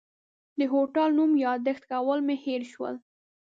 د هوټل نوم یاداښت کول مې هېر شول.